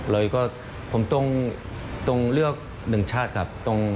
เลยก็ผมต้องเลือกหนึ่งชาติครับ